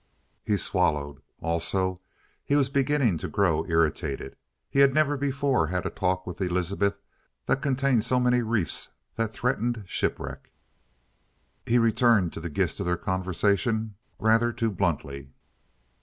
He swallowed. Also, he was beginning to grow irritated. He had never before had a talk with Elizabeth that contained so many reefs that threatened shipwreck. He returned to the gist of their conversation rather too bluntly.